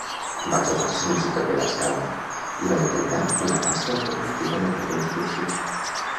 Va trobar-se una ciutat devastada, i va intentar una vasta política de reconstrucció.